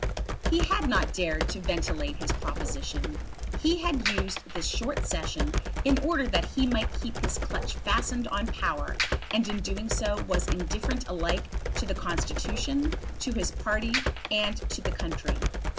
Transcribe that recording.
He had not dared to ventilate his proposition. He had used this short Session in order that he might keep his clutch fastened on power, and in doing so was indifferent alike to the Constitution, to his party, and to the country.